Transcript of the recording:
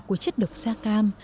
của chất độc sa cam